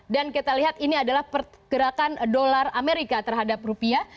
dan kita lihat ini adalah pergerakan dolar amerika terhadap rupiah